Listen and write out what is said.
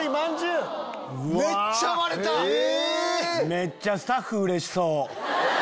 めっちゃスタッフうれしそう。